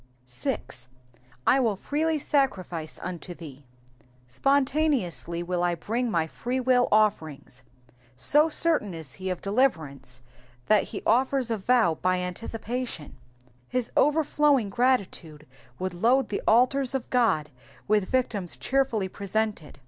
Digitized by VjOOQIC PSALM THE FIFTY FOUBTH. 11 6. "J toiU freely sacrifice unto ihee,''^ Spontaneously will I bring my free will offerings. So certain is he of deliverance that he oflers a vow by anticipation. His overflowing gratitude would load the altars of God with victims cheerfully presented.